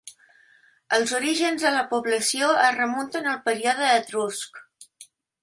Els orígens de la població es remunten al període etrusc.